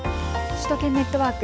首都圏ネットワーク。